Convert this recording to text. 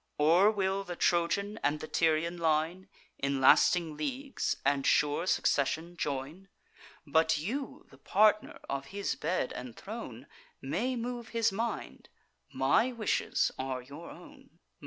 Or will the Trojan and the Tyrian line In lasting leagues and sure succession join? But you, the partner of his bed and throne, May move his mind; my wishes are your own."